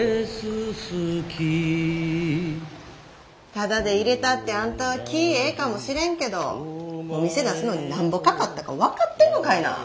タダで入れたってあんたは気ぃええかもしれんけどお店出すのになんぼかかったか分かってんのかいな。